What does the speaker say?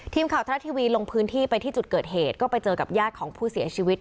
ทรัฐทีวีลงพื้นที่ไปที่จุดเกิดเหตุก็ไปเจอกับญาติของผู้เสียชีวิต